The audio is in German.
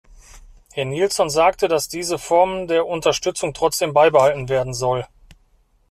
Herr Nielson sagte, dass diese Form der Unterstützung trotzdem beibehalten werden soll.